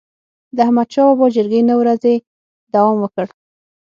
د احمدشاه بابا جرګي نه ورځي دوام وکړ.